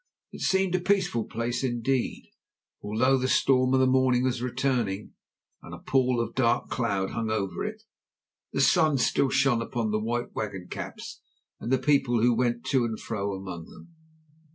It seemed a peaceful place indeed, for although the storm of the morning was returning and a pall of dark cloud hung over it, the sun still shone upon the white wagon caps and the people who went to and fro among them.